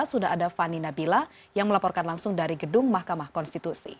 sudah ada fani nabila yang melaporkan langsung dari gedung mahkamah konstitusi